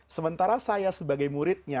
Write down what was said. sementara saya sebagai muridnya